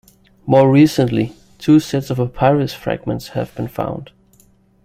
More recently, two sets of papyrus fragments have been found.